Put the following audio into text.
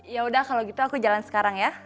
yaudah kalau gitu aku jalan sekarang ya